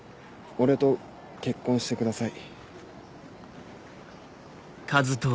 俺と結婚してください。